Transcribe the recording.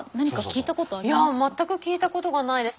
いや全く聞いたことがないです。